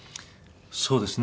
そうですね。